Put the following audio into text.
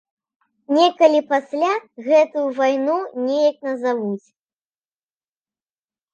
Некалі пасля, гэтую вайну неяк назавуць.